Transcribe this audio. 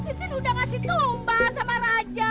kan titin udah ngasih tumba sama raja